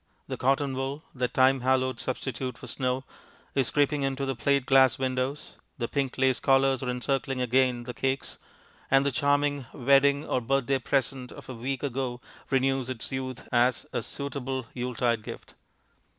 The cotton wool, that time hallowed substitute for snow, is creeping into the plate glass windows; the pink lace collars are encircling again the cakes; and the "charming wedding or birthday present" of a week ago renews its youth as a "suitable Yuletide gift."